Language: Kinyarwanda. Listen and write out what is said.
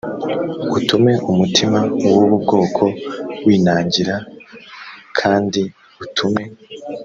utume umutima w ubu bwoko winangira l kandi utume